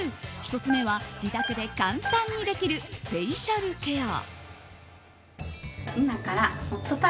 １つ目は自宅で簡単にできるフェイシャルケア。